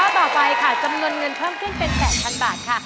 ต่อไปค่ะจำนวนเงินเพิ่มขึ้นเป็น๘๐๐๐บาทค่ะ